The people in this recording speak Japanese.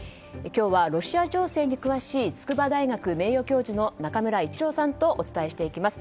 今日はロシア情勢に詳しい筑波大学名誉教授の中村逸郎さんとお伝えしていきます。